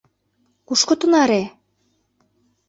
Кушко тынаре!